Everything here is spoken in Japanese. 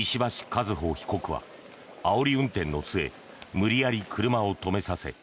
和歩被告はあおり運転の末無理やり車を止めさせ